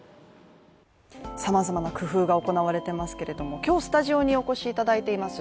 様々な工夫が行われてますけれども今日スタジオにお越しいただいています